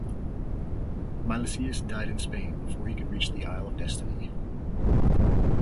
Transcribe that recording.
Milesius died in Spain before he could reach the Isle of Destiny.